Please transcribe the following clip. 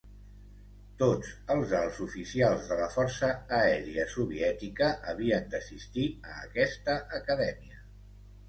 Tots els alts oficials de la Força Aèria Soviètica havien d'assistir a aquesta acadèmia.